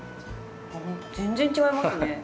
全然違いますね。